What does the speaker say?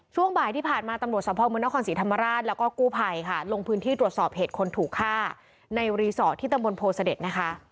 ช่วงบ่ายที่ผ่านมาตำรวจสภาพเมืองนครศรีธรรมราชแล้วก็กู้ภัยค่ะลงพื้นที่ตรวจสอบเหตุคนถูกฆ่าในรีสอร์ทที่ตำบลโพเสด็จนะคะ